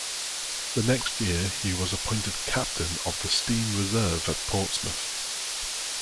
The next year he was appointed captain of the steam reserve at Portsmouth.